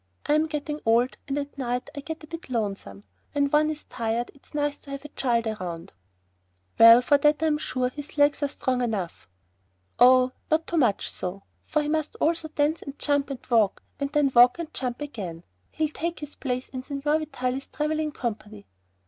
I'm getting old and at night I get a bit lonesome. When one is tired it's nice to have a child around." "Well, for that I'm sure his legs are strong enough." "Oh, not too much so, for he must also dance and jump and walk, and then walk and jump again. He'll take his place in Signor Vitalis' traveling company."